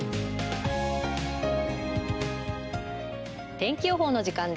天気予報の時間です。